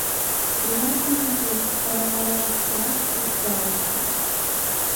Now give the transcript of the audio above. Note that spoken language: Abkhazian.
Иуасымҳәахьеи, сара уара уахьцалак суцзаауеит ҳәа.